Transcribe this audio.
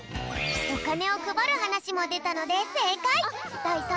おかねをくばるはなしもでたのでせいかい！